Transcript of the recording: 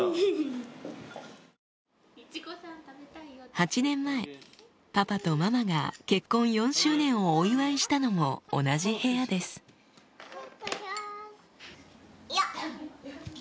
８年前パパとママが結婚４周年をお祝いしたのも同じ部屋ですよっ。